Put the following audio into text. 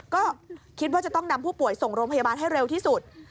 ก็คิดว่าจะต้องนำผู้ป่วยส่งโรงพยาบาลให้เร็วที่สุด